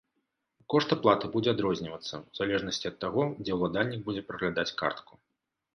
Кошт аплаты будзе адрознівацца, у залежнасці ад таго, дзе ўладальнік будзе праглядаць картку.